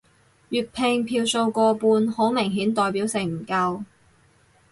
粵拼票數過半好明顯代表性唔夠